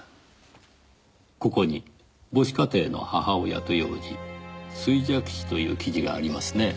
ここに「母子家庭の母親と幼児衰弱死」という記事がありますねぇ。